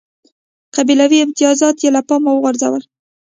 قبیلوي امتیازات یې له پامه وغورځول.